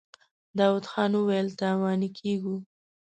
داوود خان وويل: تاواني کېږو.